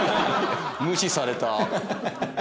無視された。